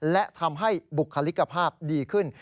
และทำให้บุคลิกภาพดีขึ้น